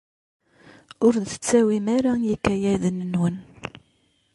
Ur d-tettawim ara ikayaden-nwen.